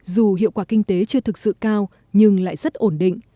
dù hiệu quả kinh tế chưa thực sự cao nhưng lại rất ổn định